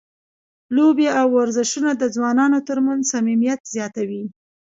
لوبې او ورزشونه د ځوانانو ترمنځ صمیمیت زیاتوي.